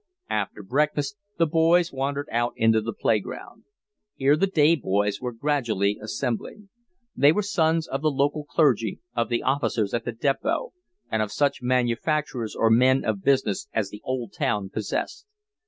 After breakfast the boys wandered out into the play ground. Here the day boys were gradually assembling. They were sons of the local clergy, of the officers at the Depot, and of such manufacturers or men of business as the old town possessed.